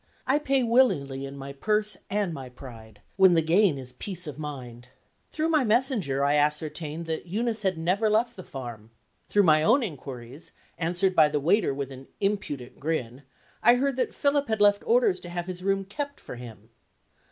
I pay willingly in my purse and my pride, when the gain is peace of mind. Through my messenger I ascertained that Eunice had never left the farm. Through my own inquiries, answered by the waiter with an impudent grin, I heard that Philip had left orders to have his room kept for him.